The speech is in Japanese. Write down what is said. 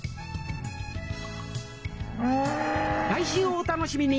来週をお楽しみに！